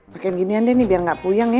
pakain ginian deh nih biar gak puyeng ya